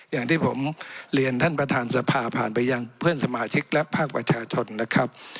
อย่างที่ผมเรียนท่านประธานสภาผ่านไปยังเพื่อนสมาชิกและภาคประชาชนนะครับ